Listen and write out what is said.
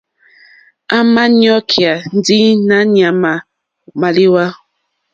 À mà ɲɔ́kyá ndí nǎ ɲàmà màlíwá.